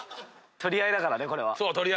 取り合いだからねこれは。